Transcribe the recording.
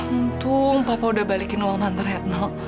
untung papa udah balikin uang tante retno